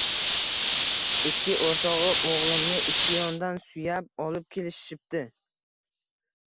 Ikki o`rtog`i o`g`limni ikki yonidan suyab olib kelishibdi